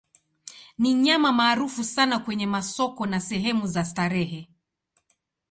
Ni nyama maarufu sana kwenye masoko na sehemu za starehe.